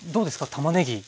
たまねぎ。